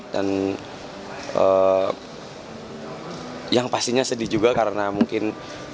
dan yang pastinya sedih juga karena mungkin